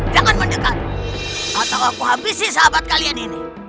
semarah lidu aji